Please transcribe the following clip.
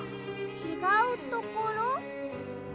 ちがうところ？